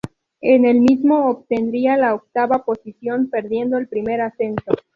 En el mismo obtendría la octava posición, perdiendo el primer ascenso.